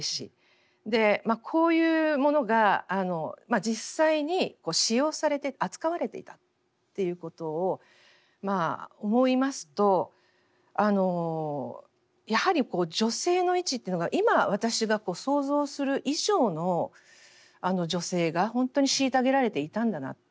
こういうものが実際に使用されて扱われていたっていうことを思いますとやはり女性の位置っていうのが今私が想像する以上の女性が本当に虐げられていたんだなと。